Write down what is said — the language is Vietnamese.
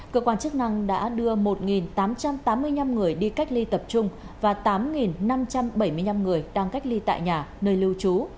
cơ quan chức năng đã đưa một tám trăm tám mươi năm người đi cách ly tập trung và tám năm trăm bảy mươi năm người đang cách ly tại nhà nơi lưu trú